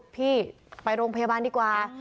พี่ไปโรงพยาบาลดีกว่า